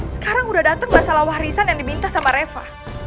sekarang udah dateng masalah warisan yang diminta sama reva